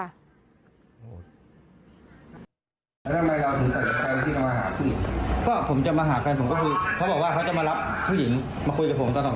ผมก็เลยตัดสินใจมาหาผู้หญิงเพื่อที่จะมาง้อผู้หญิงก่อน